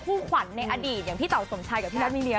คู่ขวัญในอดีตอย่างพี่เต๋าสมชัยกับพี่นัทมีเรีย